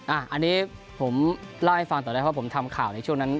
อันนี้ผมเล่าให้ฟังต่อได้เพราะผมทำข่าวในช่วงนั้น